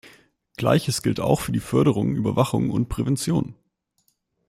Gleiches gilt auch für die Förderung, Überwachung und Prävention.